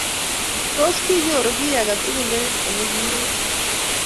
Tos kinyoru kit age tugul eng olekiwendi